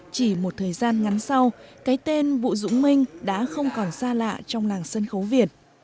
chỉ một thời gian ngắn sau cái tên vũ dũng minh đã không còn xa lạ trong làng sân khấu việt